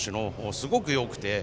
すごくよくて。